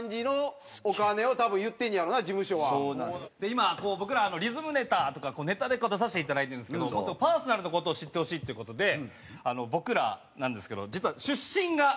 今僕らリズムネタとかネタで出させていただいてるんですけどもっとパーソナルの事を知ってほしいっていう事で僕らなんですけど実は出身がこちらでございます。